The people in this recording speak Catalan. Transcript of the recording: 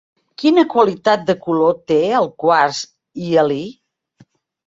Quina qualitat de color té el quars hialí?